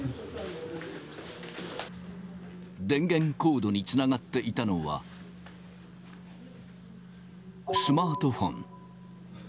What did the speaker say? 電源コードにつながっていたのは、スマートフォン。